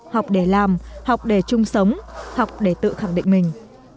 học để làm học để chung sống học để tự khẳng định mình